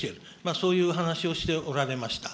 そういう話をしておられました。